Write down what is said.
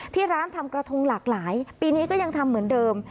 ที่ร้านทำกระทงหลากหลายปีนี้ก็ยังทำเหมือนเดิม